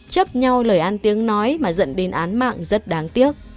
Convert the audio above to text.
chấp nhau lời ăn tiếng nói mà dẫn đến án mạng rất đáng tiếc